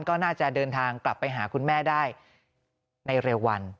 ก็น่าจะเดินทางกลับไปหาคุณแม่ได้ในเร็ววัน